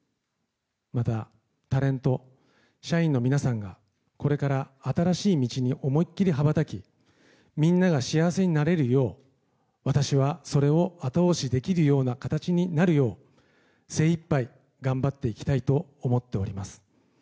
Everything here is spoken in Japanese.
また、タレント社員の皆さんがこれから新しい道に思いきり羽ばたきみんなが幸せになれるよう私はそれを後押しできるような形になるよう精一杯、頑張っていきたいと思っております。